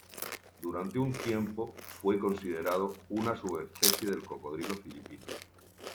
Durante un tiempo fue considerado una subespecie del cocodrilo filipino.